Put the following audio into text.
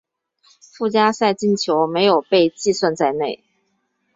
附加赛进球没有被计算在内。